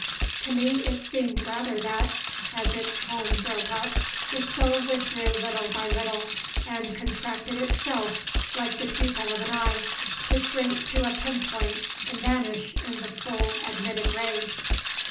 ..." To me it seemed rather that, as its home broke up, the soul withdrew little by little, and contracted itself like the pupil of an eye, to shrink to a pinpoint and vanish in the full admitted ray.